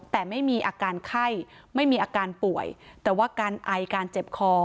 แต่ไม่มีอาการไข้ไม่มีอาการป่วยแต่ว่าการไอการเจ็บคอ